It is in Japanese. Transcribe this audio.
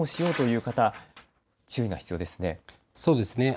避難をしようという方注意が必要です。